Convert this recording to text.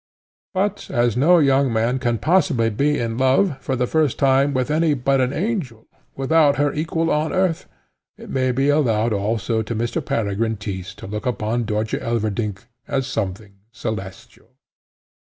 But as no young man can possibly be in love, for the first time, with any but an angel, without her equal on earth, it may be allowed also to Mr. Peregrine Tyss to look upon Dörtje Elverdink as something celestial.